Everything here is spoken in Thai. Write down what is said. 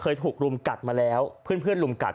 ถูกรุมกัดมาแล้วเพื่อนรุมกัด